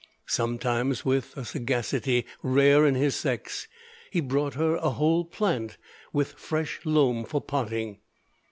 Sometimes, with a sagacity rare in his sex, he brought her a whole plant, with fresh loam for potting.